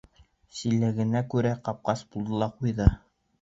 Силәгенә күрә ҡапҡасы булды ла ҡуйҙы.